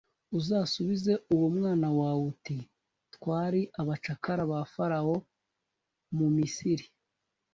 uzasubize uwo mwana wawe uti «twari abacakara ba farawo mu misiri